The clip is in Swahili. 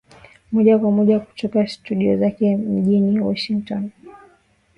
moja kwa moja kutoka studio zake mjini Washington